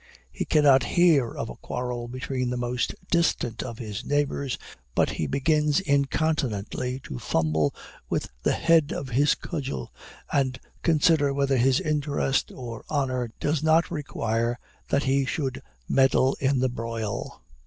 He cannot hear of a quarrel between the most distant of his neighbors, but he begins incontinently to fumble with the head of his cudgel, and consider whether his interest or honor does not require that he should meddle in the broil.